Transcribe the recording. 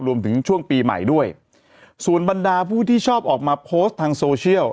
ช่วงปีใหม่ด้วยส่วนบรรดาผู้ที่ชอบออกมาโพสต์ทางโซเชียล